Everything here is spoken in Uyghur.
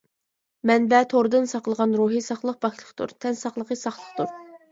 مەنبە: توردىن ساقلىغان روھى ساقلىق پاكلىقتۇر، تەن ساقلىقى ساقلىقتۇر.